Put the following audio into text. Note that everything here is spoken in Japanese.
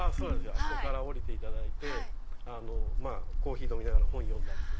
あそこから下りていただいてコーヒー飲みながら本読んだり。